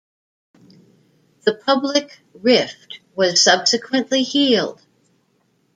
The public rift was subsequently healed.